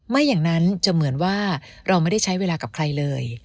ไม่อย่างนั้นจะเหมือนว่าเราไม่ได้ใช้เวลากับใครเลย